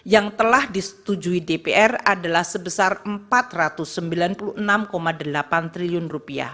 yang telah disetujui dpr adalah sebesar rp empat ratus sembilan puluh enam delapan triliun